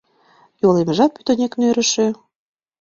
— Йолемжат пӱтынек нӧрышӧ.